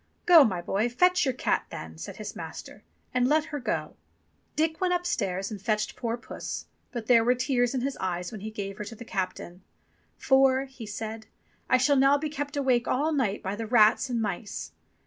"Go, my boy, fetch your cat then," said his master, "and let her go." Dick went upstairs and fetched poor puss, but there were tears in his eyes when he gave her to the captain. "For," he said, "I shall now be kept awake all night by the rats and mice."